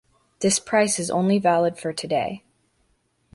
This price is only valid for today.